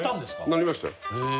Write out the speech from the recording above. なりましたよ。